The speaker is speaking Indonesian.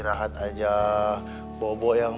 rahat aja bobo yang